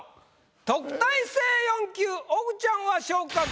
特待生４級おぐちゃんは。